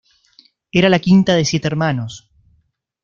Era la quinta de siete hermanos.